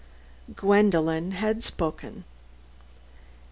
Gwendolen had spoken.